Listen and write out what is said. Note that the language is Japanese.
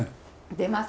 出ます。